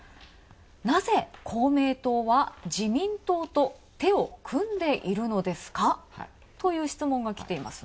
なぜ、公明党は自民党と手を組んでいるのですか？という質問がきていますね。